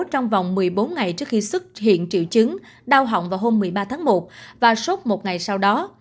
trong vòng một mươi bốn ngày trước khi xuất hiện triệu chứng đau họng vào hôm một mươi ba tháng một và sốt một ngày sau đó